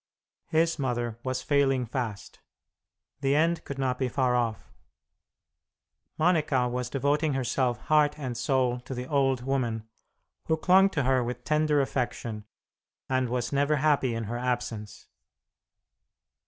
His mother was failing fast; the end could not be far off. Monica was devoting herself heart and soul to the old woman, who clung to her with tender affection, and was never happy in her absence.